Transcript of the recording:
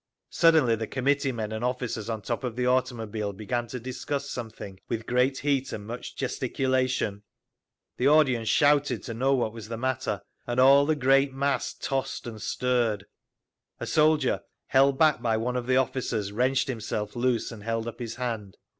Suddenly the committeemen and officers on top of the automobile began to discuss something with great heat and much gesticulation. The audience shouted to know what was the matter, and all the great mass tossed and stirred. A soldier, held back by one of the officers, wrenched himself loose and held up his hand.